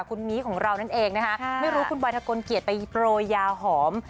คุณมีของเรานั่นเองนะคะไม่รู้คุณบอยทะกลเกียจไปโปรยยาหอม